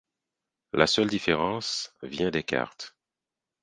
La seule différence vient des cartes.